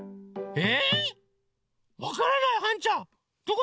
え！